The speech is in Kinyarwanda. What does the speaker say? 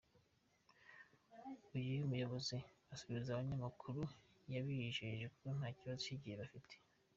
Uyu muyobozi asubiza abanyamakuru yabijeje ko ntakibazo cy’igihe bafite.